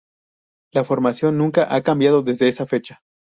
La formación nunca ha cambiado desde esa fecha.